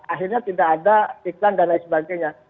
akhirnya tidak ada iklan dan lain sebagainya